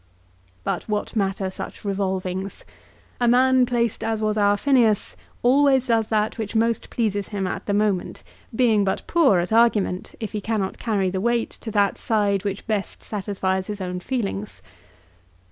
But what matter such revolvings? A man placed as was our Phineas always does that which most pleases him at the moment, being but poor at argument if he cannot carry the weight to that side which best satisfies his own feelings.